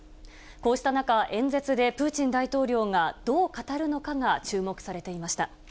こうした中、演説でプーチン大統領がどう語るのかが注目されていました。